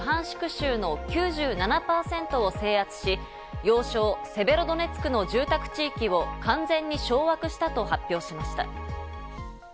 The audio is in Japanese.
州の９７％制圧し、要衝セベロドネツクの住宅地域を完全に掌握したと発表しました。